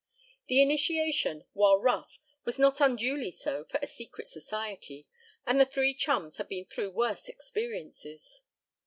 The initiation, while rough, was not unduly so for a secret society, and the three chums had been through worse experiences.